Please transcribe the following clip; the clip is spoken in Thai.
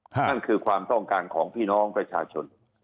นั่นคือความต้องการของพี่น้องประชาชน